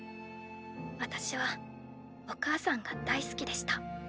私はお母さんが大好きでした。